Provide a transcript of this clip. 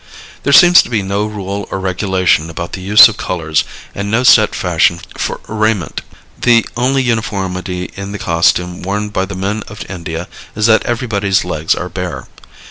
There seems to be no rule or regulation about the use of colors and no set fashion for raiment. The only uniformity in the costume worn by the men of India is that everybody's legs are bare.